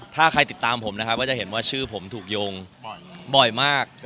ถ้าใครติดตามผมนะครับก็จะเห็นว่าชื่อผมถูกโยงบ่อยมาก